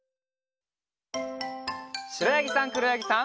しろやぎさんくろやぎさん。